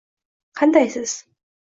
Qandaysiz?